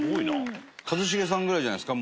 一茂さんぐらいじゃないですか？